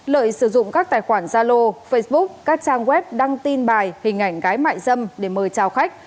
lợi sử dụng các tài khoản zalo facebook các trang web đăng tin bài hình ảnh gái mại dâm để mời chào khách